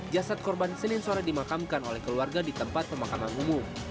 jasad korban senin sore dimakamkan oleh keluarga di tempat pemakaman umum